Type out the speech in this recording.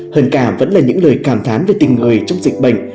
hình cảm vẫn là những lời cảm thán về tình người trong dịch bệnh